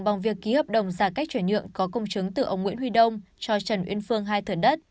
bằng việc ký hợp đồng giả cách chuyển nhượng có công chứng từ ông nguyễn huy đông cho trần uyên phương hai thửa đất